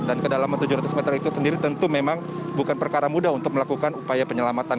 dan kedalaman tujuh ratus meter itu sendiri tentu memang bukan perkara mudah untuk melakukan upaya penyelamatan